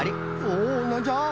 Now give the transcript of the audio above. おなんじゃ？